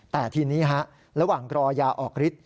แต่ทีนี้ฮะระหว่างรอยาออกฤทธิ